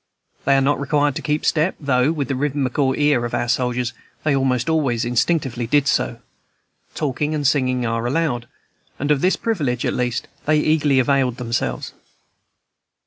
They are not required to keep step, though, with the rhythmical ear of our soldiers, they almost always instinctively did so; talking and singing are allowed, and of this privilege, at least, they eagerly availed themselves.